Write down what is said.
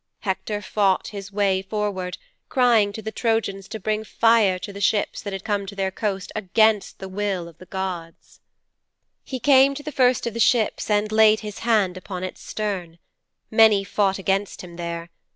Hector fought his way forward crying to the Trojans to bring fire to the ships that had come to their coast against the will of the gods,' 'He came to the first of the ships and laid his hand upon its stern. Many fought against him there.